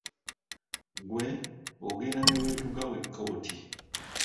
Ggwe ogenda ne weetuga wekka oti.